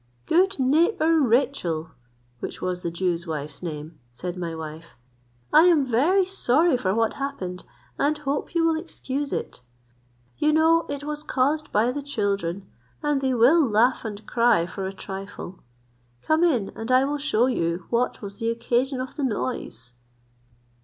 "Good neighbour Rachel," (which was the Jew's wife's name,) said my wife, "I am very sorry for what happened, and hope you will excuse it: you know it was caused by the children, and they will laugh and cry for a trifle. Come in, and I will shew you what was the occasion of the noise."